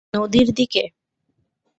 নদীর দিকে?